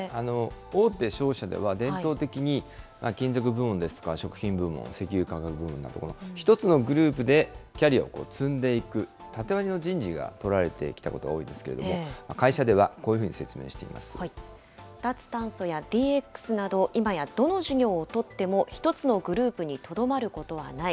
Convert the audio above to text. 大手商社では伝統的に、金属部門ですとか食品部門、石油化学部門など、１つのグループでキャリアを積んでいく、縦割りの人事が取られてきたことが多いんですけれども、会社では脱炭素やＤＸなど、今やどの事業をとっても１つのグループにとどまることはない。